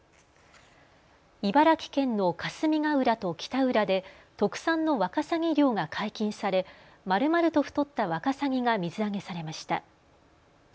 茨城県の霞ヶ浦と北浦で特産のワカサギ漁が解禁されまるまると太ったワカサギが水揚げされました。